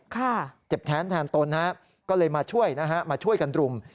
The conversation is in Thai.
ข้าก็เลยมาช่วยมาช่วยกันตรุม